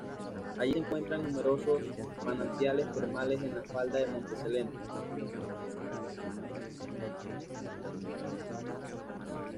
Allí se encuentran numerosos manantiales termales en la falda del monte Selena.